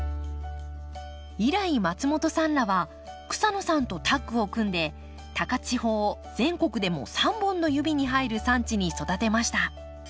以来松本さんらは草野さんとタッグを組んで高千穂を全国でも３本の指に入る産地に育てました。